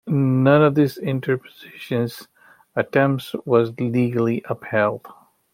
None of these interposition attempts was legally upheld.